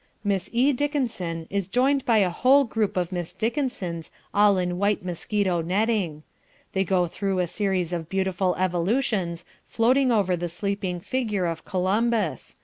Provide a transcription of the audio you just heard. Miss E. Dickenson is joined by a whole troop of Miss Dickensons all in white mosquito netting. They go through a series of beautiful evolutions, floating over the sleeping figure of Columbus.